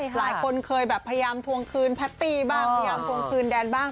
หลายคนเคยแบบพยายามทวงคืนแพตตี้บ้างพยายามทวงคืนแดนบ้าง